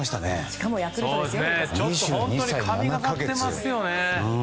ちょっと本当に神がかっていますよね。